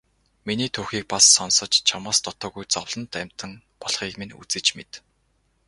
Миний түүхийг бас сонсож чамаас дутуугүй зовлонт амьтан болохыг минь үзэж мэд.